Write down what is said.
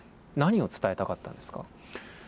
何を伝えたかったんですか？